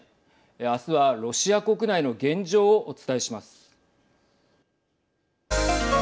明日はロシア国内の現状をお伝えします。